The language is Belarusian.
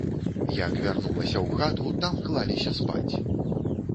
Як вярнулася ў хату, там клаліся спаць.